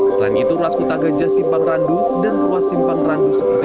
selain itu rasku tagaja simpang randu dan ruas simpang randu seperti surabaya